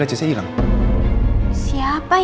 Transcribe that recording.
siapa ya masial kawasan kathy kedaient alih ke